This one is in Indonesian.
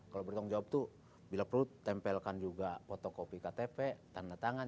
kalau bertanggung jawab itu bila perlu tempelkan juga fotokopi ktp tanda tangan